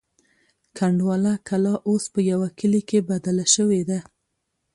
کنډواله کلا اوس په یوه کلي بدله شوې ده.